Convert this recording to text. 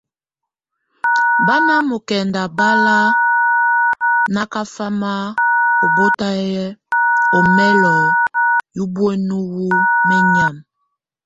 Bá na mokɛnda balak nakafam ɔ botɛ omɛ́lo yubúmue wu menyam.